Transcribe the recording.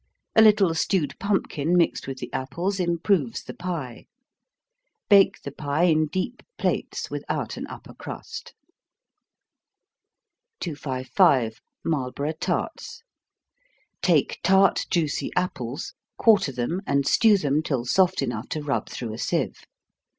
A little stewed pumpkin, mixed with the apples, improves the pie. Bake the pie in deep plates, without an upper crust. 255. Marlborough Tarts. Take tart juicy apples quarter them, and stew them till soft enough to rub through a sieve.